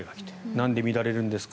なんで乱れるんですか？